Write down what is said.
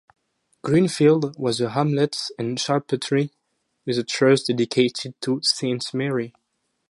Greenfield was a hamlet and chapelry, with a church dedicated to Saint Mary.